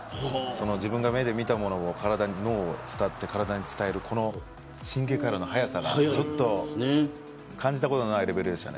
自分が目で見たものを脳を伝って体に伝える神経回路の速さが感じたことのないレベルでした。